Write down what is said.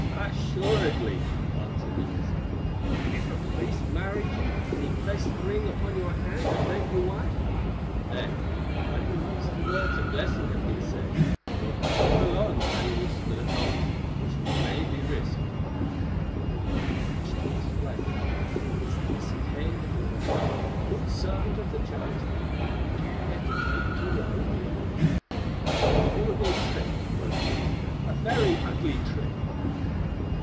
"Assuredly," answered Inez, "if a priest married you and he placed the ring upon your hand and named you wife. Then, when once the words of blessing have been said, the Pope alone can loose that knot, which may be risked, for there would be much to explain, and is this a tale that Morella, a good servant of the Church, would care to take to Rome?" "It would be a trick," broke in Margaret—"a very ugly trick."